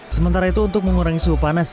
sementara itu untuk mengurangi suhu panas